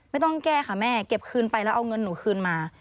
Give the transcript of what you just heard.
ไม่ต้องแก้ค่ะแม่เก็บคืนไปแล้วเอาเงินหนูคืนมา